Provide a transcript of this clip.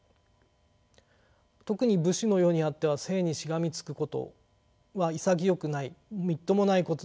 特に武士の世にあっては生にしがみつくことは潔くないみっともないことだとされていました。